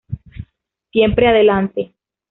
Siempre Adelante.